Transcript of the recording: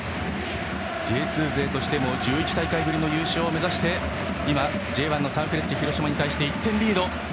Ｊ２勢としても１１大会ぶりの優勝を目指して今、Ｊ１のサンフレッチェ広島に１点リード。